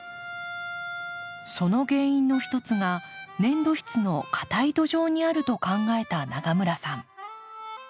その原因の一つが粘土質のかたい土壌にあると考えた永村さん。